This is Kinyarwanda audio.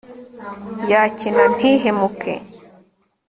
yakena ntihemuke